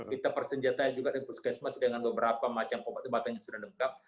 kita persenjatai juga puskesmas dengan beberapa macam kompetensi yang sudah lengkap